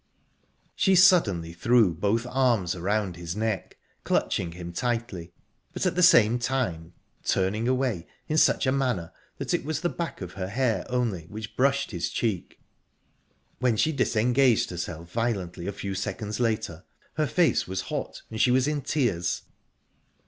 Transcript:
She suddenly threw both arms around his neck, clutching him tightly, but at the same time turning away in such a manner that it was the back of her hair only which brushed his cheek...When she disengaged herself violently a few seconds later, her face was hot, and she was in tears...